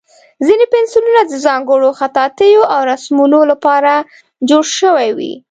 ځینې پنسلونه د ځانګړو خطاطیو او رسمونو لپاره جوړ شوي وي.